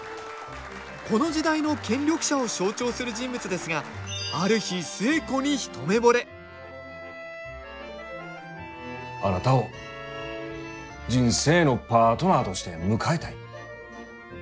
この時代の権力者を象徴する人物ですがある日寿恵子に一目ぼれあなたを人生のパートナーとして迎えたい。